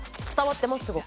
伝わってます